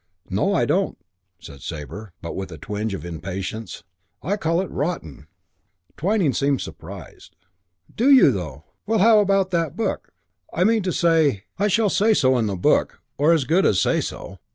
"No, I don't," said Sabre, but with a tinge of impatience. "I call it rotten." Twyning seemed surprised. "Do you, though? Well, how about that book? I mean to say " "I shall say so in the book. Or as good as say so."